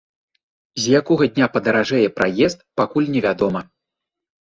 З якога дня падаражэе праезд, пакуль не вядома.